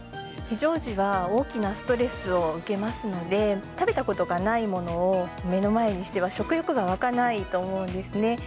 非常時は大きなストレスを受けますので、食べたことがないものを目の前にしては、食欲が湧かないと思うんですね。